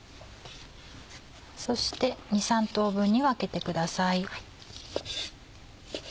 そして２３等分に分けてください。